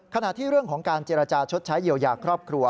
ขณะที่เรื่องของการเจรจาชดใช้เยียวยาครอบครัว